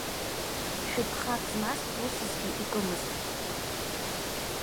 Шәы-гхак змаз усысгьы икымызт.